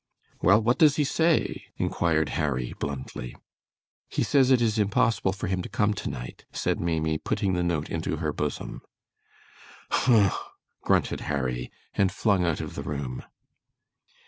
"Well, what does he say?" inquired Harry, bluntly. "He says it is impossible for him to come tonight," said Maimie, putting the note into her bosom. "Huh!" grunted Harry, and flung out of the room.